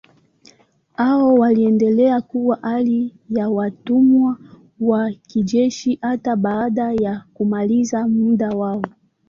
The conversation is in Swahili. Hao waliendelea kuwa hali ya watumwa wa kijeshi hata baada ya kumaliza muda wao.